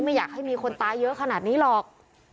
ไม่อยากให้มีคนตายเยอะขนาดนี้หรอก